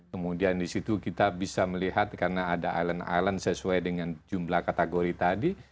kemudian di situ kita bisa melihat karena ada island island sesuai dengan jumlah kategori tadi